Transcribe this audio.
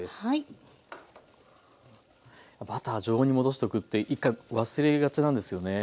バター常温に戻しとくって１回忘れがちなんですよね。